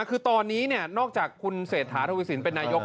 คือตอนนี้นอกจากคุณเศรษฐาทวิสินเป็นนายก